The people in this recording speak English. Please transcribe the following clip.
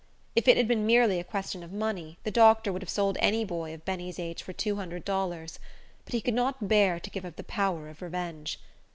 If it had been merely a question of money, the doctor would have sold any boy of Benny's age for two hundred dollars; but he could not bear to give up the power of revenge.